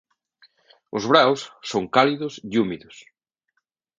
Os veráns son cálidos e húmidos.